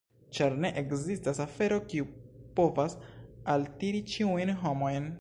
Ĉar ne ekzistas afero, kiu povas altiri ĉiujn homojn.